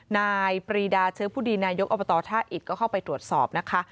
นายปรีดาเชื้อผู้ดีนายกอบตท่าอิตก็เข้าไปตรวจสอบนะคะ